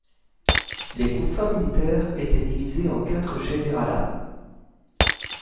Les confins militaires étaient divisés en quatre généralats.